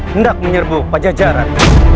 hendak menyerbu pada jarak